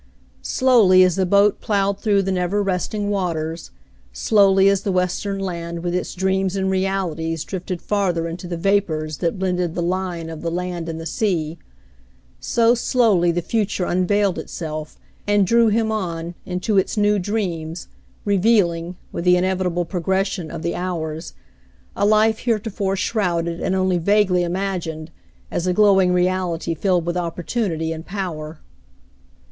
Slowly as the boat ploughed through the never rest ing waters, — slowly as the western land with its dreams and realities drifted farther into the vapors that blended the line of the land and the sea, — so slowly the future un veiled itself and drew him on, into its new dreams, re vealing, with the inevitable progression of the hours, a life heretofore shrouded and only vaguely imagined, as a glowing reality filled with opportunity and power.